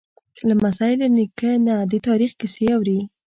لمسی له نیکه نه د تاریخ کیسې اوري.